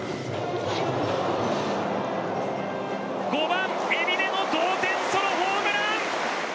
５番、海老根の同点ソロホームラン！